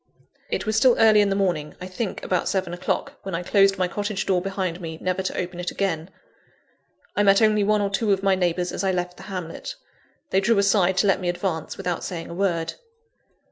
It was still early in the morning I think about seven o'clock when I closed my cottage door behind me, never to open it again. I met only one or two of my neighbours as I left the hamlet. They drew aside to let me advance, without saying a word.